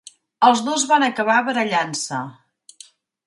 Els dos van acabar barallant-se.